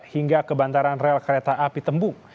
hingga ke bantaran rel kereta api tembung